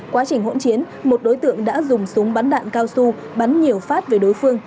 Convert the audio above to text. quá trình hỗn chiến một đối tượng đã dùng súng bắn đạn cao su bắn nhiều phát về đối phương